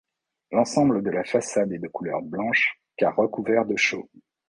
L'ensemble de la façade est de couleur blanche car recouverte de chaux.